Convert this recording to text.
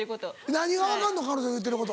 何が分かるの彼女言うてること。